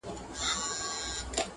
منظرونه وویني